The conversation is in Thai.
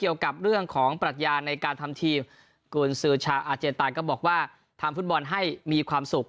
ว่าทำฟุตบอลให้มีความสุข